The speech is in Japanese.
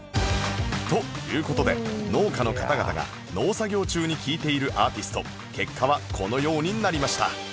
という事で農家の方々が農作業中に聴いているアーティスト結果はこのようになりました